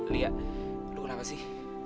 lia lu kenapa sih